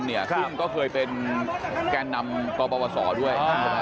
ซึ่งก็เคยเป็นแกนนำประวัติศาสตร์ด้วย